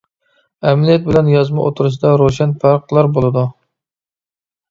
ئەمەلىيەت بىلەن يازما ئوتتۇرىسىدا روشەن پەرقلەر بولىدۇ.